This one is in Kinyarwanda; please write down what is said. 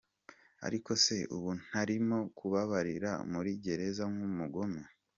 Ariko se ubu ntarimo kubabarira muri gereza nk’umugome?